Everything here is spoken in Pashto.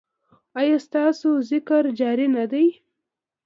ایا ستاسو ذکر جاری نه دی؟